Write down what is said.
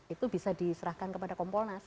itu bisa diserahkan kepada kompolnas